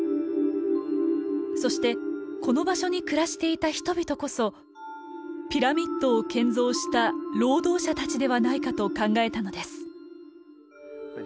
そしてこの場所に暮らしていた人々こそピラミッドを建造した労働者たちではないかと考えたのです。